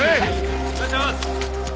お願いします！